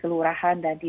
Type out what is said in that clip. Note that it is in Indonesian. terima kasih pak menteri